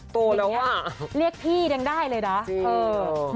โตแล้วว่ะเรียกพี่ยังได้เลยนะจริงโอ้โอ้